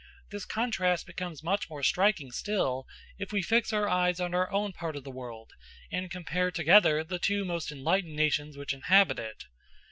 This contrast becomes much more striking still, if we fix our eyes on our own part of the world, and compare together the two most enlightened nations which inhabit it.